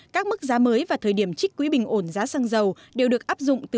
các mức giá mới và thời điểm trích quỹ bình ổn giá xăng dầu đều được áp dụng từ một mươi năm h chiều